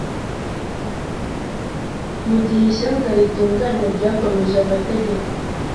mu gihe ishyanga ritunganye, ryakomeje amategeko,